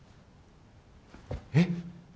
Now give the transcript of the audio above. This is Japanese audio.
えっ！